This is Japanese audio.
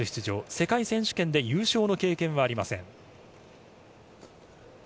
世界選手権で優勝の経験はありません。